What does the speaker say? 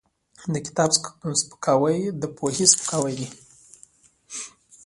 د کتاب سپکاوی د پوهې سپکاوی دی.